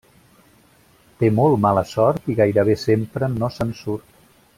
Té molt mala sort i gairebé sempre no se'n surt.